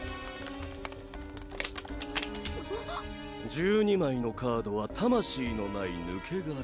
１２枚のカードは魂のない抜け殻。